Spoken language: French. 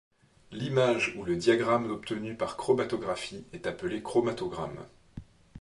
L'image ou le diagramme obtenu par chromatographie est appelé chromatogramme.